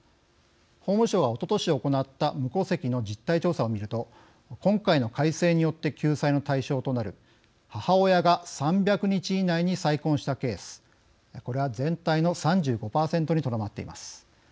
法務省がおととし行った無戸籍の実態調査を見ると今回の改正によって救済の対象となる母親が３００日以内に再婚したケースこれは全体の３５％にとどまっています。